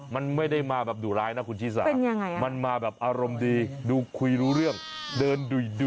มันไม่ได้มาแบบดุร้ายนะคุณชิสามันมาแบบอารมณ์ดีดูคุยรู้เรื่องเดินดุ